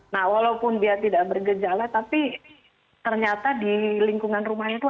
nah walaupun dia tidak bergejala tapi ternyata di lingkungan rumahnya itu